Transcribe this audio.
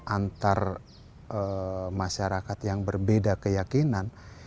antar masyarakat yang berbeda keyakinan